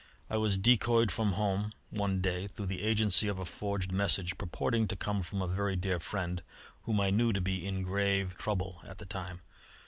I was decoyed from home one day through the agency of a forged message purporting to come from a very dear friend whom I knew to be in grave trouble at the time.